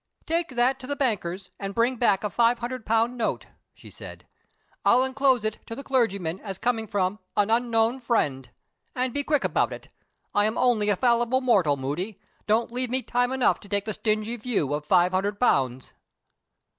"Take that to the banker's, and bring back a five hundred pound note," she said. "I'll inclose it to the clergyman as coming from 'an unknown friend.' And be quick about it. I am only a fallible mortal, Moody. Don't leave me time enough to take the stingy view of five hundred pounds."